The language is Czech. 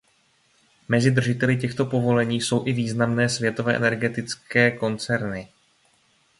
Mezi držiteli těchto povolení jsou i významné světové energetické koncerny.